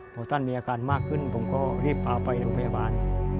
พอท่านมีอาการมากขึ้นผมก็รีบพาไปโรงพยาบาล